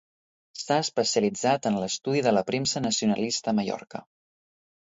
S'ha especialitzat en l'estudi de la premsa nacionalista a Mallorca.